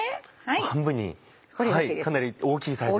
半分にかなり大きいサイズ。